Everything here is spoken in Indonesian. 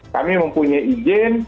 kami mempunyai izin